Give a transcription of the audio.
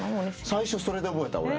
最初それで覚えた俺。